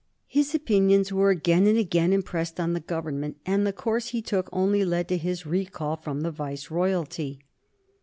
His opinions were again and again impressed on the Government, and the course he took only led to his recall from the Viceroyalty.